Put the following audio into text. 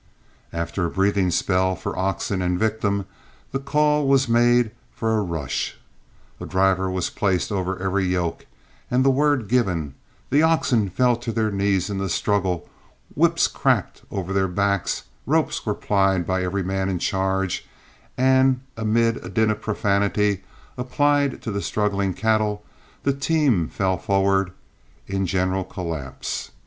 After a breathing spell for oxen and victim, the call was made for a rush. A driver was placed over every yoke and the word given, and the oxen fell to their knees in the struggle, whips cracked over their backs, ropes were plied by every man in charge, and, amid a din of profanity applied to the struggling cattle, the team fell forward in a general collapse.